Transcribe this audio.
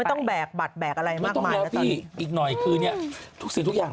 ไม่ต้องแบบบัตรแบบอะไรมากมายนะตอนนี้อีกหน่อยคือเนี่ยทุกสิ่งทุกอย่าง